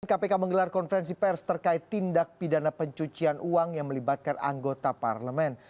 kpk menggelar konferensi pers terkait tindak pidana pencucian uang yang melibatkan anggota parlemen